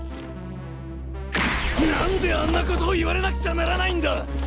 なんであんな事を言われなくちゃならないんだ！